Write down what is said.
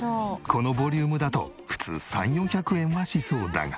このボリュームだと普通３００４００円はしそうだが。